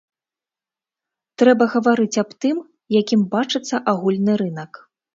Трэба гаварыць аб тым, якім бачыцца агульны рынак.